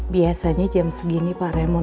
biasanya jam segini pak remo